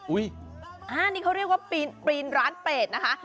นี่เขาเรียกว่าปีนร้านเปรตนะคะ